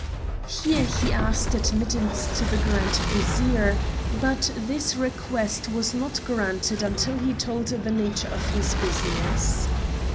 Here he asked admittance to the Grand Vizier, but this request was not granted until he told the nature of his business.